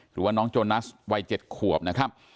หรือว่าน้องโจนัสวัย๗ขวบนะครับ